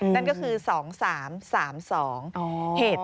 นั่นก็คือ๒๓๓๒เหตุ